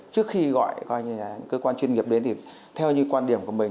trước khi gọi cơ quan chuyên nghiệp đến thì theo như quan điểm của mình